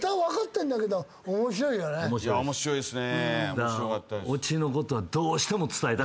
面白いですね。